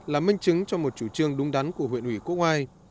là minh chứng cho một chủ trương đúng đắn của huyện ủy quốc oai